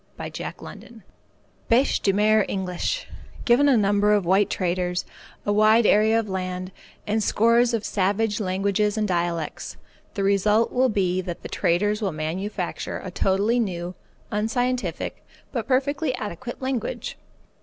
CHAPTER XVI BÊCHE DE MER ENGLISH Given a number of white traders, a wide area of land, and scores of savage languages and dialects, the result will be that the traders will manufacture a totally new, unscientific, but perfectly adequate, language.